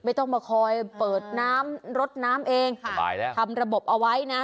ไม่ต้องมาคอยเปิดน้ำรถน้ำเองสบายแล้วทำระบบเอาไว้นะ